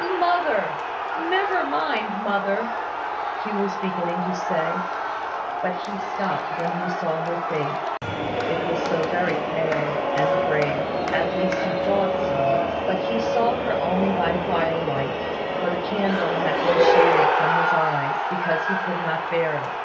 "Mother! Never mind, mother!" Hugh was beginning to say; but he stopped when he saw her face, it was so very pale and grave. At least, he thought so; but he saw her only by fire light; for the candle had been shaded from his eyes, because he could not bear it.